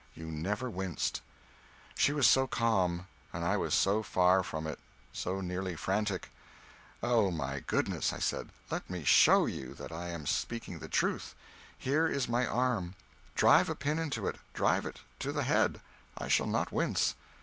You never winced." She was so calm! and I was so far from it, so nearly frantic. "Oh, my goodness!" I said, "let me show you that I am speaking the truth. Here is my arm; drive a pin into it drive it to the head I shall not wince."